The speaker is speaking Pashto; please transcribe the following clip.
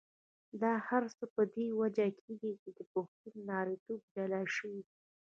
دا هر څه په دې وجه کېږي چې پښتون نارینتوب جلا شوی.